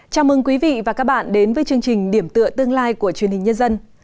chào mừng quý vị và các bạn đến với chương trình điểm tựa tương lai của truyền hình nhân dân